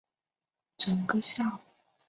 整个下午她依然哭个不停